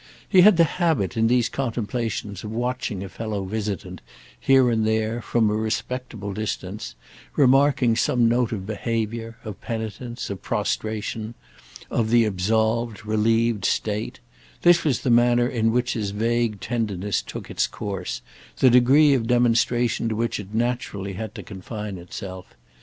He had the habit, in these contemplations, of watching a fellow visitant, here and there, from a respectable distance, remarking some note of behaviour, of penitence, of prostration, of the absolved, relieved state; this was the manner in which his vague tenderness took its course, the degree of demonstration to which it naturally had to confine itself.